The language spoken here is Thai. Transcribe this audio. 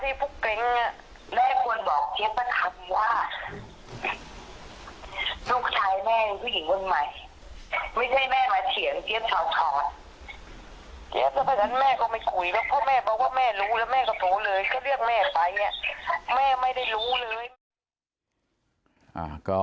ทำไมแม่กับพ่อต้องหลอกเจี๊ยบล่ะ